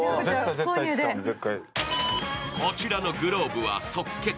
こちらのグローブは即決。